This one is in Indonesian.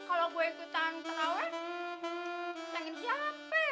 abang robi lagi di rumah sakit